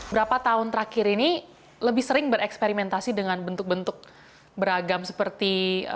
berapa tahun terakhir ini lebih sering bereksperimentasi dengan bentuk bentuk beragam seperti